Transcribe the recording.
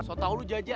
sotau lu jaja